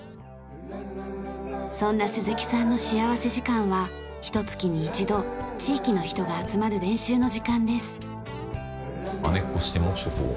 そんな鈴木さんの幸福時間はひと月に１度地域の人が集まる練習の時間です。